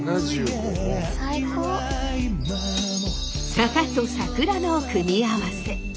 坂と桜の組み合わせ。